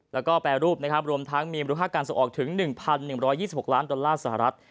แล้วก็แปรรูปนะครับรวมทั้งมีมูลค่าการส่งออกถึง๑๑๒๖ล้านดอลลาร์สหรัฐ